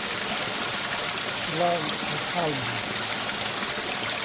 سڵاو خۆشحاڵ بووم